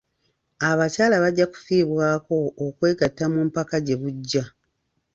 Abakyala bajja kufiibwako okwegatta mu mpaka gye bujja.